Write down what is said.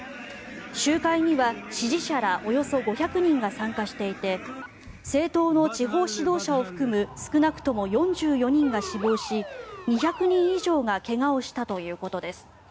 集会には、支持者らおよそ５００人が参加していて政党の地方指導者を含む少なくとも４４人が死亡し２００人以上が怪我をしたということです。